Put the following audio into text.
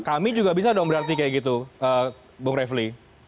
kami juga bisa dong berarti kayak gitu bung refli